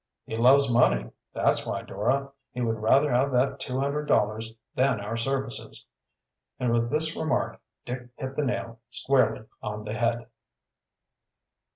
"He loves money, that's why, Dora. He would rather have that two hundred dollars than our services," and with this remark Dick hit the nail squarely on the head.